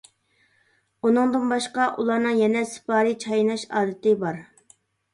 ئۇنىڭدىن باشقا ئۇلارنىڭ يەنە سىپارى چايناش ئادىتى بار.